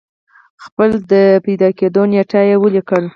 خپل د زیږی و نېټه ولیکل